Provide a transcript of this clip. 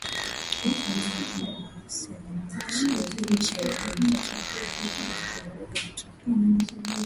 kwa kuunga mkono waasi wa Machi ishirini na tatu wenye nia ya kuvuruga utulivu